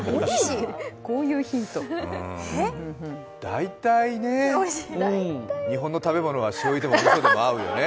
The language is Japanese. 大体ね、日本の食べ物はしょうゆでもみそでも合うよね。